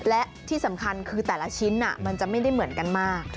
และที่สำคัญคือแต่ละชิ้นมันจะไม่ได้เหมือนกันมาก